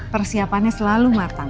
persiapannya selalu matang